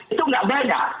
itu tidak banyak